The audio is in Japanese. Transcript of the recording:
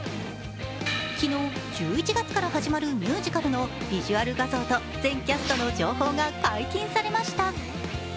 昨日、１１月から始まるミュージカルのビジュアル画像と全キャストの情報が解禁されました。